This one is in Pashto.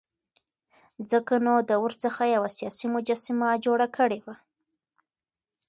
ځکه نو ده ورڅخه یوه سیاسي مجسمه جوړه کړې وه.